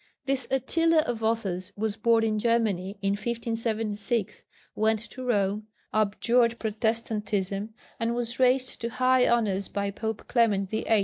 This Attila of authors was born in Germany in 1576, went to Rome, abjured Protestantism, and was raised to high honours by Pope Clement VIII.